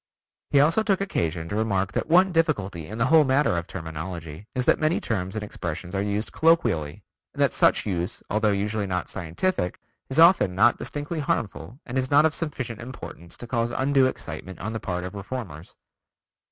He also took occasion to remark that one difficulty in the whole matter of terminology is that many terms and expressions are used colloquially and that such use although usually not scientific, is often not distinctly harmful and is not of sufficient importance to cause undue excitement on the part of reformers.